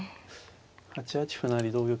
８八歩成同玉